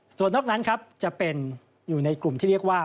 ส่วนนอกนั้นครับจะเป็นอยู่ในกลุ่มที่เรียกว่า